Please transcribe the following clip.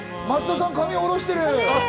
松田さん、髪おろしてる。